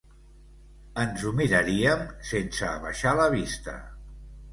Ens ho miraríem sense abaixar la vista.